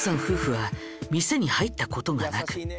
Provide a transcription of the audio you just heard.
夫婦は店に入ったことがなく